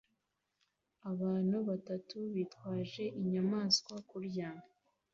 Abantu batatu bitwaje inyamaswa kurya